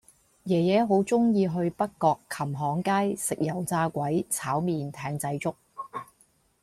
爺爺好鍾意去北角琴行街食油炸鬼炒麵艇仔粥